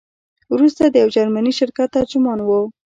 وروسته د یو جرمني شرکت ترجمان وو.